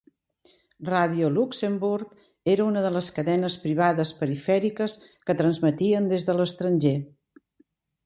Radio Luxembourg era una de les cadenes privades "perifèriques" que transmetien des de l'estranger.